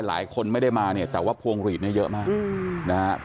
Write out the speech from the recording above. หลายคนไม่ได้มาเนี่ยแต่ว่าพวงหลีดเนี่ยเยอะมากนะครับ